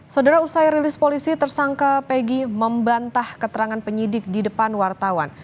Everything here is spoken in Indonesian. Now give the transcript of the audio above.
saudara usai rilis polisi tersangka pegi membantah keterangan penyidik di depan wartawan